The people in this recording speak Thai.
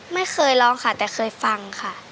ไม่เคยร้องค่ะแต่เคยฟังค่ะ